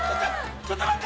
ちょっと押して。